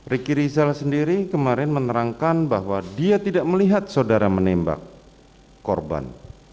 riki rizal sendiri kemarin menerangkan bahwa dia tidak melihat saudara menembak korban